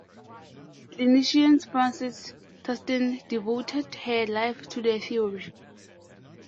Clinician Frances Tustin devoted her life to the theory.